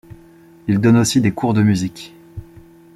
Il donne aussi des cours de musique.